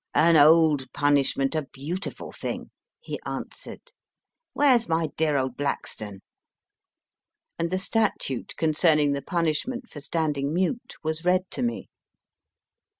An old punishment a beautiful thing/ he answered. Where s my dear old Blackstone ? and the statute concerning the punishment for standing mute was read to me.